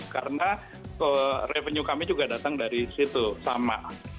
karena revenue kami juga datang dari situ sama